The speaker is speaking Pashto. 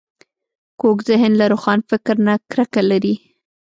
کوږ ذهن له روښان فکر نه کرکه لري